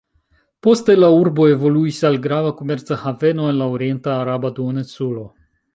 Poste la urbo evoluis al grava komerca haveno en la orienta araba duoninsulo.